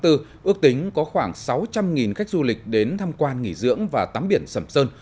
ước tính có khoảng sáu trăm linh khách du lịch đến tham quan nghỉ dưỡng và tắm biển sầm sơn